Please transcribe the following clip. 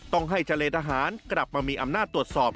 ต้องให้เจรทหารกลับมามีอำนาจตรวจสอบ